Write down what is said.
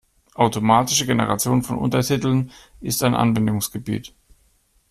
Automatische Generation von Untertiteln ist ein Anwendungsgebiet.